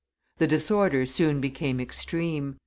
The disorder soon became extreme.